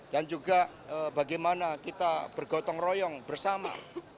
dan juga bagaimana kita bergotong royong bersama